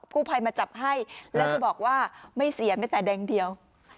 ผู้ภัยมาจับให้แล้วจะบอกว่าไม่เสียแม้แต่แดงเดียว